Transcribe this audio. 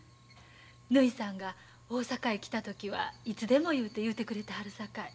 ぬひさんが大阪へ来た時はいつでもいうて言うてくれてはるさかい。